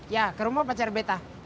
ya ke rumah pacar betah